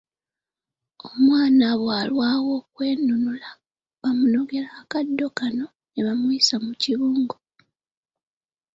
Omwana bwalwawo okwenunula bamunogera akaddo kano ne bamuyisa mu kibungu.